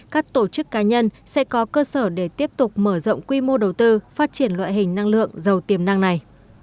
các tổ chức cá nhân sẽ có cơ sở để tiếp tục mở rộng quy mô đầu tư phát triển loại hình năng lượng giàu tiềm năng này